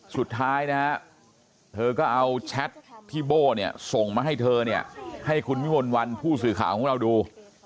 สุดท้ายนะฮะเธอก็เอาแชทที่โบ้เนี่ยส่งมาให้เธอเนี่ยให้คุณวิมลวันผู้สื่อข่าวของเราดู